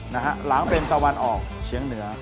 หลังเป็นตะวันออกเฉียงเหนือ